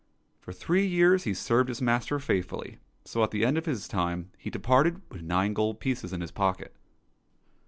For three years he served his master faithfully, so, at the end of his time, he departed with nine gold pieces in his pocket.